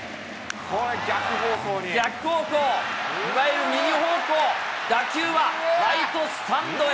逆方向、いわゆる右方向、打球はライトスタンドへ。